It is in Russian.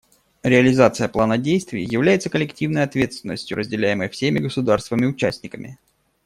Реализация плана действий является коллективной ответственностью, разделяемой всеми государствами-участниками.